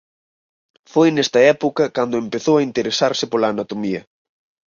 Foi nesta época cando empezou a interesarse pola anatomía.